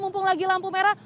mumpung lagi lampu merah